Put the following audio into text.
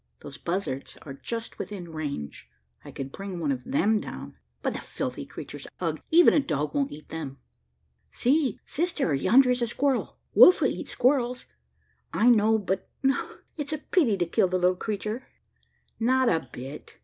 Those buzzards are just within range. I could bring one of them down; but the filthy creatures, ugh! even a dog won't eat them." "See, sister! yonder is a squirrel. Wolf will eat squirrels, I know: but, ah! it's a pity to kill the little creature." "Not a bit.